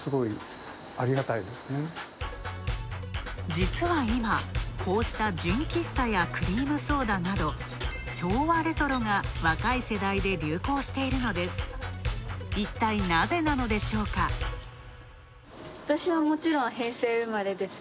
実は今、こうした純喫茶やクリームソーダなど、昭和レトロが若い世代で流行しているのです。